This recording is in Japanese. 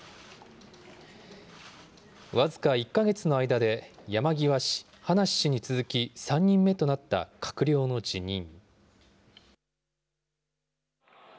僅か１か月の間で、山際氏、葉梨氏に続き、３人目となった閣僚の辞任。